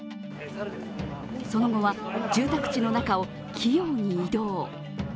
その後は住宅地の中を器用に移動。